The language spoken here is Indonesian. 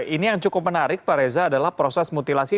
ini yang cukup menarik pak reza adalah proses mutilasi